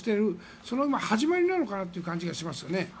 その始まりなのかなという感じがしますよね。